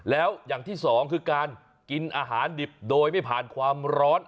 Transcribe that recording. แล้วอย่างที่สองคือการกินอาหารดิบโดยไม่ผ่านความร้อน